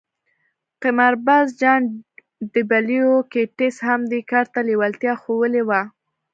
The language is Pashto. قمارباز جان ډبلیو ګیټس هم دې کار ته لېوالتیا ښوولې وه